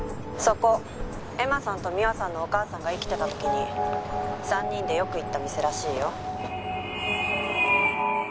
「そこ恵麻さんと美和さんのお母さんが生きてた時に３人でよく行った店らしいよ」